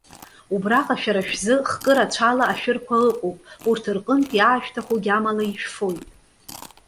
Убраҟа шәара шәзы, хкы рацәала ашәырқәа ыҟоуп, урҭ рҟынтә иаашәҭаху гьамала ишәфоит.